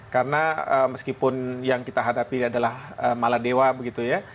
karena meskipun yang kita hadapi adalah mala dewa begitu ya